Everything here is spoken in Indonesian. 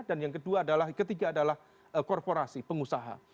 dan yang ketiga adalah korporasi pengusaha